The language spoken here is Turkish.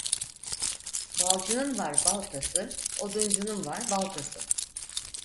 Balcının var bal tası, oduncunun var baltası.